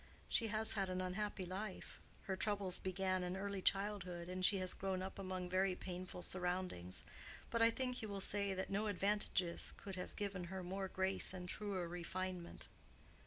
She has had an unhappy life. Her troubles began in early childhood, and she has grown up among very painful surroundings. But I think you will say that no advantages could have given her more grace and truer refinement."